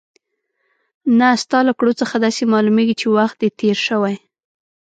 نه، ستا له کړو څخه داسې معلومېږي چې وخت دې تېر شوی.